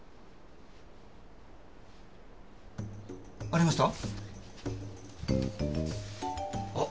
ありました？